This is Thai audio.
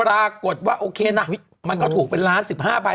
ปรากฏว่าโอเคนะมันก็ถูกเป็นล้าน๑๕ใบ